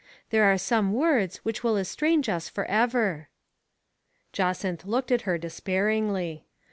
There are some words which will es trange us for ever." Jacynth looked at her despairingly.